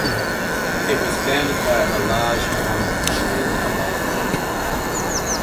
It was founded by Alhaj Mohammad Aman Alam.